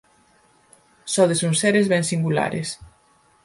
Sodes uns seres ben singulares!